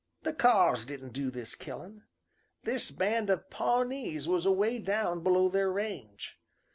"The Kaws didn't do this killin'. This band of Pawnees was away down below their range.